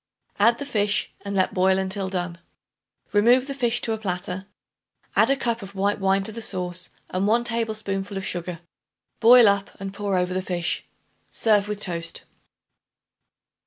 Add the fish and let boil until done. Remove the fish to a platter. Add a cup of white wine to the sauce and 1 tablespoonful of sugar. Boil up and pour over the fish. Serve with toast.